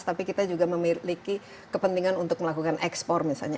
tapi kita juga memiliki kepentingan untuk melakukan ekspor misalnya